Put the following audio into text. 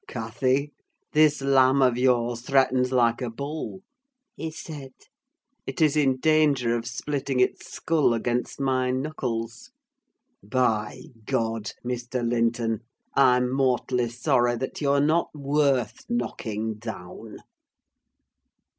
"Cathy, this lamb of yours threatens like a bull!" he said. "It is in danger of splitting its skull against my knuckles. By God! Mr. Linton, I'm mortally sorry that you are not worth knocking down!"